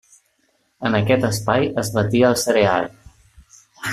En aquest espai es batia el cereal.